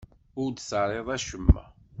Ur d-terriḍ acemma.